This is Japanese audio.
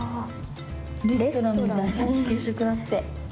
レストランみたいな給食だって。